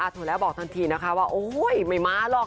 โทรแล้วบอกทันทีนะคะว่าโอ๊ยไม่มาหรอก